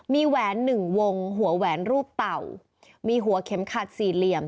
มีแหวนหนึ่งวงหัวแหวนรูปเต่ามีหัวเข็มขัดสี่เหลี่ยม